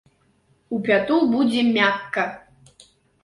У пяту будзе мякка.